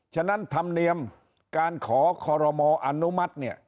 ฉะนั้นธรรมเนียมการขอคอรมออนุมัติเนี่ย